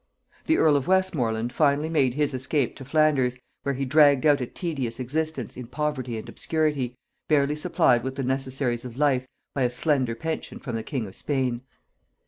The earl of Westmorland finally made his escape to Flanders, where he dragged out a tedious existence in poverty and obscurity, barely supplied with the necessaries of life by a slender pension from the king of Spain.